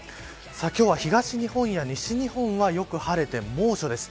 今日は東日本や西日本はよく晴れて猛暑です。